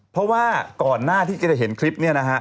เพราะว่าก่อนหน้าที่จะเห็นคลิปนี้นะฮะ